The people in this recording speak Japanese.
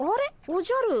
おじゃる。